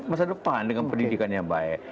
masa depan dengan pendidikan yang baik